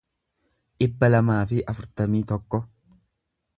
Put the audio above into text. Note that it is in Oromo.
dhibba lamaa fi afurtamii tokko